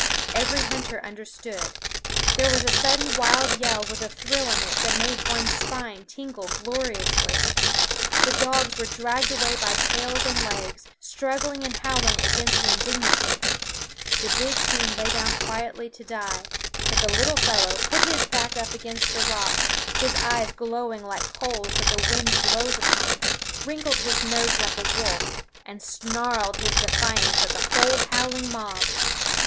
Every hunter understood. There was a sudden wild yell with a thrill in it that made one's spine tingle gloriously. The dogs were dragged away by tails and legs, struggling and howling against the indignity; the big coon lay down quietly to die; but the little fellow put his back up against a rock, his eyes glowing like coals that the wind blows upon, wrinkled his nose like a wolf, and snarled his defiance at the whole howling mob.